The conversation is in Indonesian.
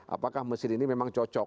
apakah mesin ini memang cocok